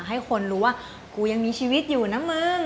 ให้คนรู้ว่ากูยังมีชีวิตอยู่นะมึง